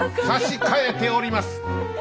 差し替えております。